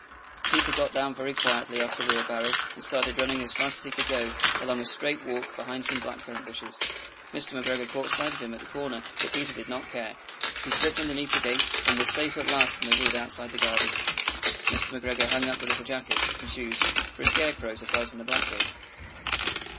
Peter got down very quietly off the wheelbarrow, and started running as fast as he could go, along a straight walk behind some black currant bushes. Mr. McGregor caught sight of him at the corner, but Peter did not care. He slipped underneath the gate, and was safe at last in the wood outside the garden. Mr. McGregor hung up the little jacket and the shoes for a scare crow to frighten the Blackbirds.